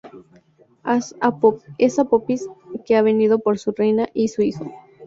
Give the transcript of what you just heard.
Es Apophis, que ha venido por su reina y su hijo.